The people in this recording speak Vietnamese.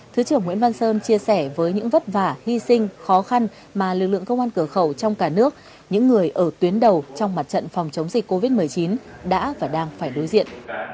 thứ trưởng nguyễn văn sơn chia sẻ với những vất vả hy sinh khó khăn mà lực lượng công an cửa khẩu trong cả nước những người ở tuyến đầu trong mặt trận phòng chống dịch covid một mươi chín đã và đang phải đối diện